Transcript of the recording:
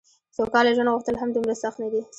سوکاله ژوند غوښتل هم دومره سخت نه دي.